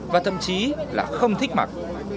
và thậm chí là không thích mặc